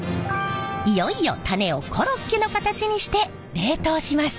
いよいよタネをコロッケの形にして冷凍します。